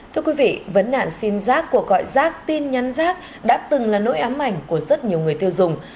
thưa quý vị vấn đạn xin giác của gọi giác tin nhắn giác đã từng là nỗi ám ảnh của rất nhiều người tiêu dùng